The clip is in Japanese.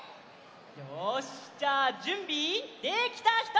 よしじゃあじゅんびできたひと！